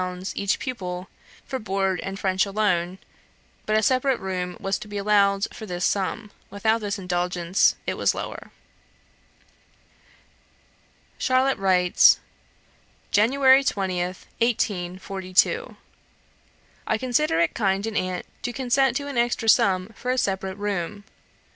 each pupil, for board and French alone, but a separate room was to be allowed for this sum; without this indulgence, it was lower. Charlotte writes: "January 20th, 1842. "I consider it kind in aunt to consent to an extra sum for a separate room.